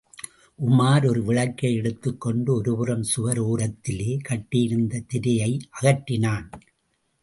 உமார் ஒரு விளக்கை எடுத்துக் கொண்டு ஒருபுறம் சுவர் ஒரத்திலே கட்டியிருந்த திரையை அகற்றினான்.